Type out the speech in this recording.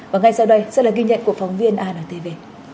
và ngay sau đây sẽ là ghi nhận của phóng viên antv